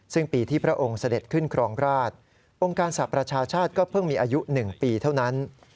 ซึ่งปีที่พระองค์เสด็จขึ้นครองราชองค์การสหประชาชาติก็เพิ่งมีอายุ๑ปีเท่านั้น